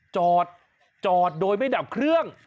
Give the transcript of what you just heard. จอดจอดโดยไม่ดับเครื่อง